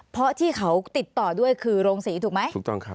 เพราะที่เขาติดต่อด้วยคือโรงศรีถูกไหมถูกต้องครับ